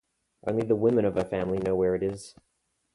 Only the women of her family know where it is.